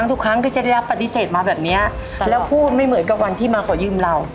ทุกครั้งก็จะได้รับปฏิเสธมาแบบนี้แล้วพูดไม่เหมือนกับวันที่มาขอยืมเรา